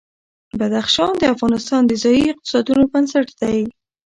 بدخشان د افغانستان د ځایي اقتصادونو بنسټ دی.